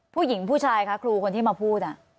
ผู้หญิงผู้ชายคะครูคนที่มาพูด